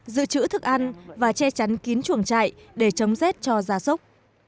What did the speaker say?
giữ chữ thức ăn và che chắn kín chuồng chạy để chống rét cho gia súc